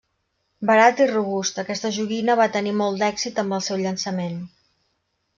Barat i robust, aquesta joguina va tenir molt d'èxit amb el seu llançament.